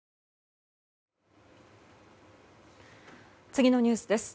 次のニュースです。